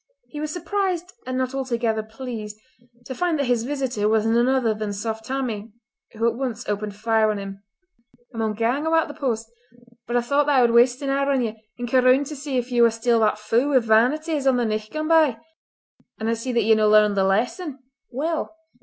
He was surprised and not altogether pleased to find that his visitor was none other than Saft Tammie, who at once opened fire on him: "I maun gang awa' t' the post; but I thocht that I would waste an hour on ye, and ca' roond just to see if ye waur still that fou wi' vanity as on the nicht gane by. An I see that ye've no learned the lesson. Well!